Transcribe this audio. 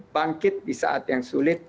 bangkit di saat yang sulit